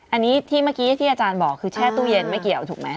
อันนี้ที่เมื่อกี้ที่อาจารย์บอกคือแช่ตู้เย็นไม่เกี่ยวถูกไหม